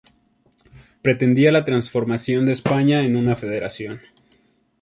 Pretendía la transformación de España en una federación.